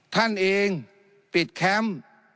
ท่านเองปิดแคมป์